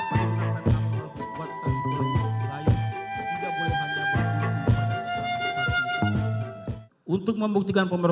kita harus membuatnya